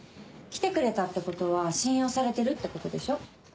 来てくれたってことは信用されてるってことでしょ？